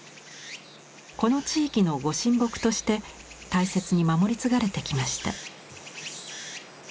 この地域のご神木として大切に守り継がれてきました。